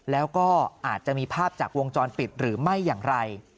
แล้วก็อาจจะมีภาพจากวงจรปิดหรือไม่อย่างไร